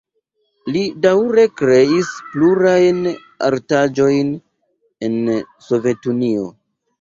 Li daŭre kreis plurajn artaĵojn en Sovetunio.